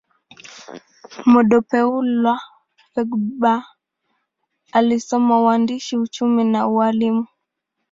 Modupeola Fadugba alisoma uhandisi, uchumi, na ualimu.